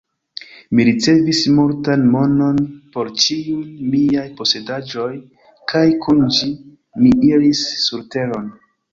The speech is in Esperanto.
Mi ricevis multan monon por ĉiujn miaj posedaĵoj, kaj kun ĝi, mi iris surteron.